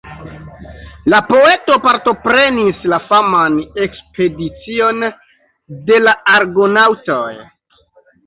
La poeto partoprenis la faman ekspedicion de la argonaŭtoj.